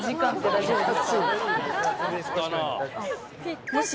大丈夫です。